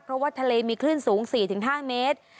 เพราะว่าทะเลมีคลื่นสูง๔๕เมตร